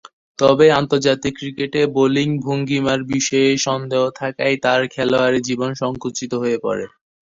তবে, আন্তর্জাতিক ক্রিকেটে বোলিং ভঙ্গীমার বিষয়ে সন্দেহ থাকায় তার খেলোয়াড়ী জীবন সঙ্কুচিত হয়ে পড়ে।